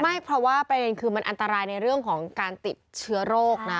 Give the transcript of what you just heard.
ไม่เพราะว่าประเด็นคือมันอันตรายในเรื่องของการติดเชื้อโรคนะ